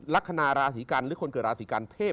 ลักษณะราศิกัณฑ์หรือคนเกิดราศิกัณฑ์เทพ